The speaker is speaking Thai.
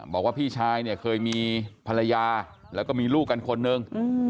บอกว่าพี่ชายเนี่ยเคยมีภรรยาแล้วก็มีลูกกันคนนึง